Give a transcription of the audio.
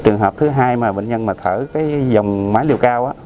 trường hợp thứ hai là bệnh nhân thở dòng máy liều cao